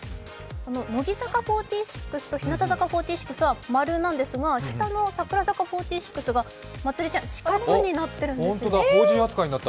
乃木坂４６と日向坂４６は丸なんですが、下の櫻坂４６が、まつりちゃん、四角になってるんです。